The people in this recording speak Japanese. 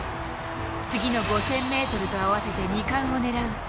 次の５０００ｍと合わせて２冠を狙う